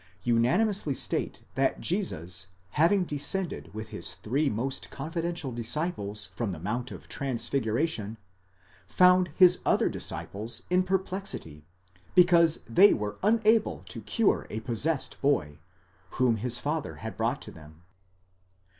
unanimously state that Jesus having descended with his three most confidential disciples from the Mount of the Transfiguration, found his other disciples in perplexity, because they were unable to cure a possessed boy, whom his father had brought to them.